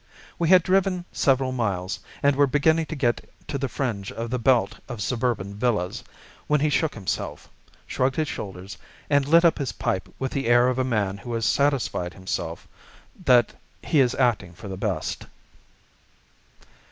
We had driven several miles, and were beginning to get to the fringe of the belt of suburban villas, when he shook himself, shrugged his shoulders, and lit up his pipe with the air of a man who has satisfied himself that he is acting for the best.